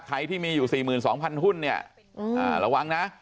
ที่มีอยู่๔๒๐๐หุ้นเนี่ยระวังนะ